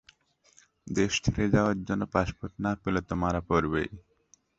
দেশ ছেড়ে যাওয়ার জন্য পাসপোর্ট না পেলে তো মারা পড়বেই।